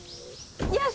よし！